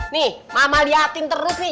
nih mama lihatin terus nih